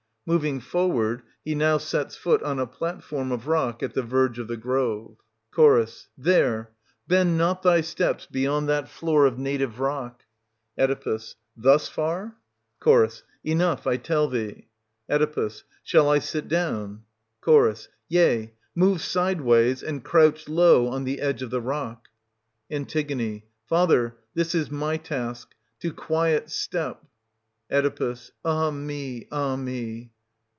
\Moving forward, he nozv sets foot on a platform of rock at the verge of the grove, ant.i, Ch. There! — bend not thy steps beyond that floor of native rock. Oe. Thus far ?. Ch. Enough, I tell thee. Oe. Shall I sit down } Ch. Yea, move sideways and crouch low on the edge of the rock. 200 An. Father, this is my task : to quiet step (Oe. Ah me ! ah me